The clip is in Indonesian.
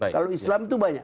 kalau islam itu banyak